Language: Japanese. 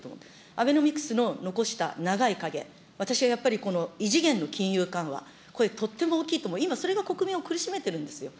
アベノミクスの残した長い影、私はやっぱりこの異次元の金融緩和、これ、とっても大きいと思う、今、それが一番国民を苦しめてるんですよ。